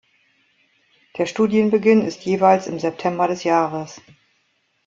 Der Studienbeginn ist jeweils im September des Jahres.